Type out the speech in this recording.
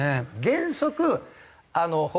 原則。